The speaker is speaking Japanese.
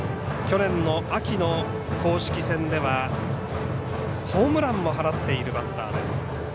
去年の秋の公式戦ではホームランも放っているバッター。